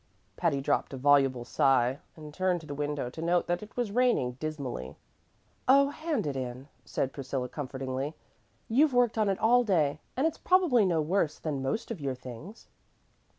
Patty dropped a voluble sigh and turned to the window to note that it was raining dismally. "Oh, hand it in," said Priscilla, comfortingly. "You've worked on it all day, and it's probably no worse than the most of your things."